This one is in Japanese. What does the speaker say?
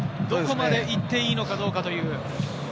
どこまで行っていいのかどうかという。